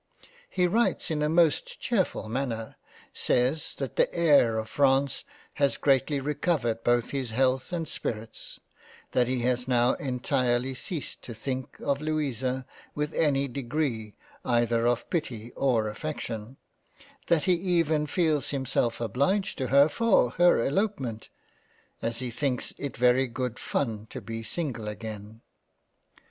He writes in a most chearfull manner, says that the air of France has greatly recovered both his Health and Spirits ; that he has now entirely ceased to think of Louisa with any degree either of Pity or Affection, that he even feels himself obliged to her for her Elopement, as he thinks it very good fun to be single again.